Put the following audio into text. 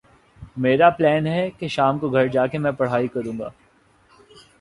میرا پلین ہے کہ شام کو گھر جا کے میں پڑھائی کرو گا۔